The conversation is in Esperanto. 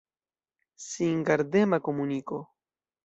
Singardema komuniko.